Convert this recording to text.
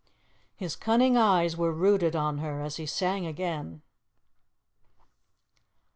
His cunning eyes were rooted on her as he sang again.